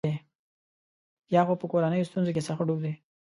یا خو په کورنیو ستونزو کې سخت ډوب دی.